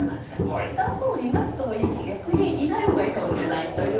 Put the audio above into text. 岸田総理がいなくてもいいし逆にいないほうがいいかもしれないという。